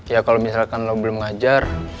ya kalau misalkan lo belum ngajar